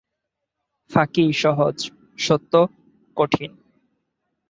ফাঁকিই সহজ, সত্য কঠিন।